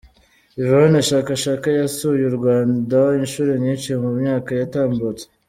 Yvonne Chaka Chaka yasuye u Rwanda inshuro nyinshi mu myaka yatambutse.